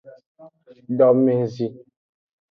Domezi.